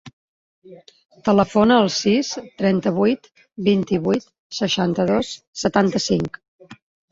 Telefona al sis, trenta-vuit, vint-i-vuit, seixanta-dos, setanta-cinc.